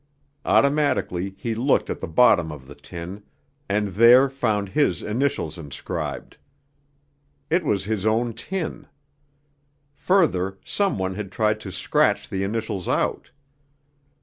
Automatically he looked at the bottom of the tin, and there found his initials inscribed. It was his own tin. Further, some one had tried to scratch the initials out.